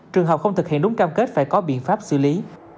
trường hợp không thực hiện đúng cam kết phải có biện pháp xử lý